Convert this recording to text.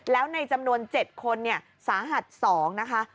แล้วในจำนวน๗คนสาหัส๒นะคะ